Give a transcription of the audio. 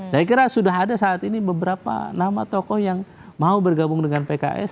saya kira sudah ada saat ini beberapa nama tokoh yang mau bergabung dengan pks